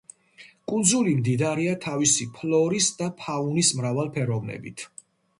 კუნძული მდიდარია თავისი ფლორის და ფაუნის მრავალფეროვნებით.